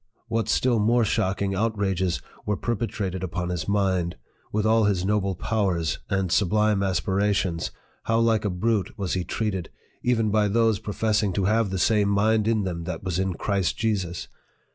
what still more shocking outrages were perpetrated upon his mind ! with all his noble powers and sublime aspirations, how like a brute was he treated, even by those professing to have the same mind in them that was in Christ Jesus